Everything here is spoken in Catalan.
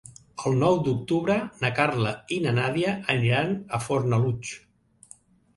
El nou d'octubre na Carla i na Nàdia aniran a Fornalutx.